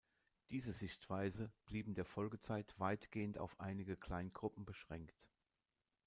Diese Sichtweise blieb in der Folgezeit weitgehend auf einige Kleingruppen beschränkt.